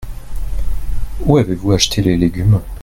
Où avez-vous acheté les légumes ?